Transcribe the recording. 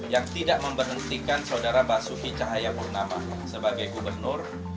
yang tidak memberhentikan saudara basuki cahayapurnama sebagai gubernur